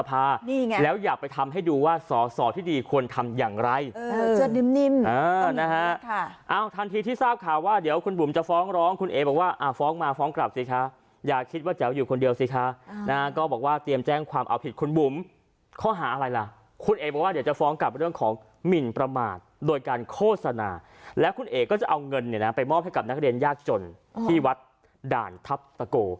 ไปมอบให้กับนักเรียนยากจนที่วัดด่านทัพสะโก